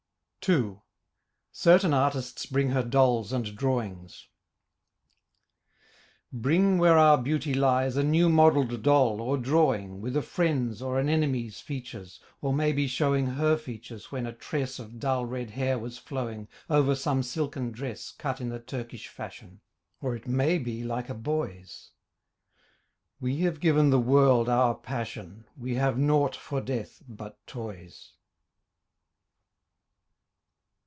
II CERTAIN ARTISTS BRING HER DOLLS AND DRAWINGS Bring where our Beauty lies A new modelled doll, or drawing, With a friend's or an enemy's Features, or maybe showing Her features when a tress Of dull red hair was flowing Over some silken dress Cut in the Turkish fashion, Or it may be like a boy's. We have given the world our passion We have naught for death but toys.